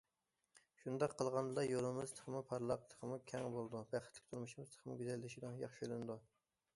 شۇنداق قىلغاندىلا يولىمىز تېخىمۇ پارلاق، تېخىمۇ كەڭ بولىدۇ، بەختلىك تۇرمۇشىمىز تېخىمۇ گۈزەللىشىدۇ، ياخشىلىنىدۇ!